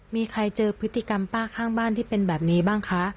มีใครเจอพฤติกรรมป้าข้างบ้านที่เป็นแบบนี้บ้างคะ